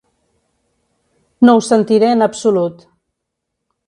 No ho sentiré en absolut.